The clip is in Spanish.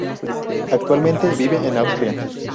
Actualmente vive en Austria.